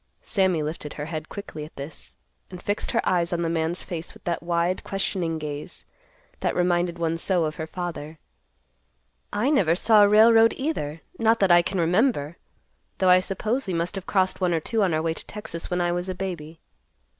Sammy lifted her head quickly at this, and fixed her eyes on the man's face with that wide, questioning gaze that reminded one so of her father, "I never saw a railroad, either; not that I can remember; though, I suppose we must have crossed one or two on our way to Texas when I was a baby.